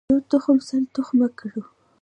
یو تخم سل تخمه کړو.